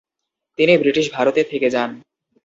তিনি ব্রিটিশ ভারতে থেকে যান।